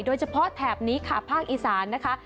โดยเฉพาะแถบนี้ค่ะภาคอีสานนะคะ